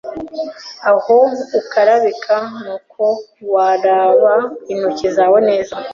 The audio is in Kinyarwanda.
aho ukarabira n’uko wakaraba intoki zawe neza….”